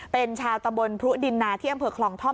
เป็นชาวตำบลพรุดินนาที่อำเภอคลองท่อม